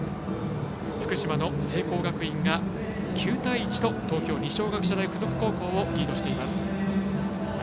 福島の聖光学院が９対１と東京・二松学舎大付属高校をリードしています。